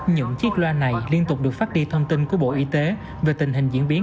những chiếc loa này liên tục được phát đi thông tin của bộ y tế về tình hình diễn biến